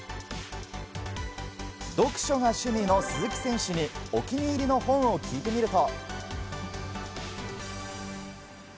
読書が趣味の鈴木選手にお気に入りの本を聞いてみると。